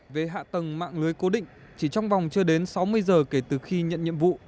về hạ tầng mạng lưới cố định chỉ trong vòng chưa đến sáu mươi giờ kể từ khi nhận nhiệm vụ